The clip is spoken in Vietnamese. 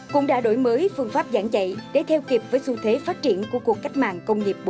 cũng đã đổi mới phương pháp giảng dạy để theo kịp với xu thế phát triển của cuộc cách mạng công nghiệp bốn